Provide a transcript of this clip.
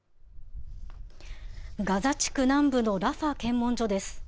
ガザ地区南部のラファ検問所です。